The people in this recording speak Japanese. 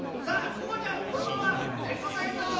さあここちゃんこのまま「テンコ体操」